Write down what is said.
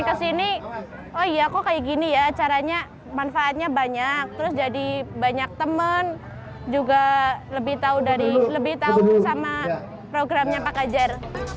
saya kesini oh iya kok kayak gini ya caranya manfaatnya banyak terus jadi banyak teman juga lebih tahu sama programnya pak kajar